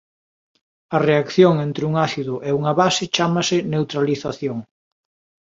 A reacción entre un ácido e unha base chámase neutralización.